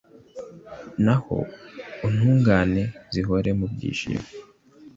naho intungane zihore mu byishimo